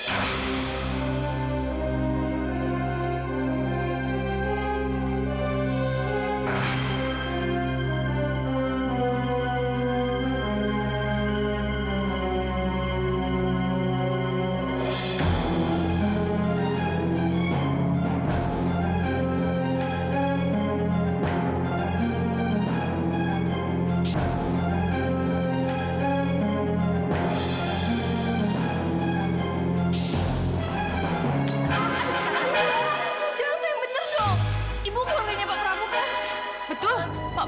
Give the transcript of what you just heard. aku gak bisa jadi pembunuh kayak dia